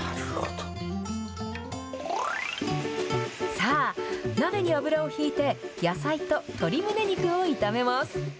さあ、鍋に油をひいて、野菜ととりむね肉を炒めます。